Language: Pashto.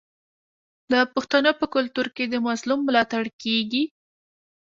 د پښتنو په کلتور کې د مظلوم ملاتړ کیږي.